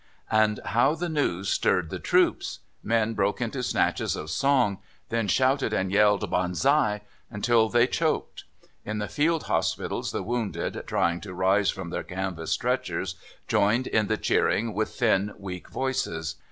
And how the news stirred the troops! Men broke into snatches of song, then shouted and yelled "Banzai!" until they choked. In the field hospitals the wounded, trying to rise from their canvas stretchers, joined in the cheering with thin, weak voices.